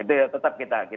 itu tetap kita